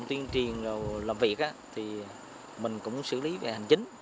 tiền làm việc thì mình cũng xử lý về hành chính